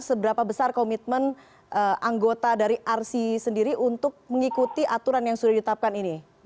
seberapa besar komitmen anggota dari rc sendiri untuk mengikuti aturan yang sudah ditetapkan ini